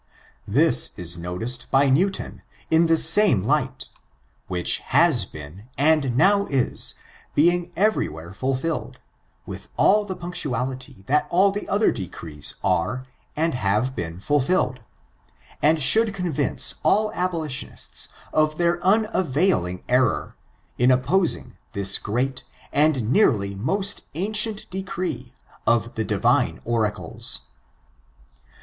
This is noticed by Newton in the same light, which has been, and fiow is, being every where fulfilled, with all the punctuality that all the other decrees are, and have been, fulfilled ; and should convince all abolitionists of their unavail ing error, in opposing this great and nearly most an cient decree of the Divine Oracles.